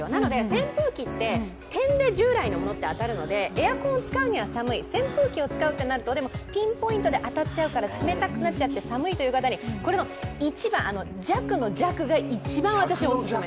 扇風機って点で従来のものって当たるのでエアコン使うには寒い、でも、扇風機を使うとピンポイントで当たっちゃって、冷たくなっちゃって寒いという方に、これの弱の弱が一番いい。